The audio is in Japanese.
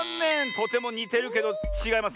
とてもにてるけどちがいますねえ。